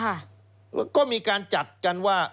แล้วก็มีการจัดกันว่า